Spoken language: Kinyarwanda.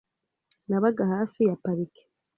Nabaga hafi ya parike .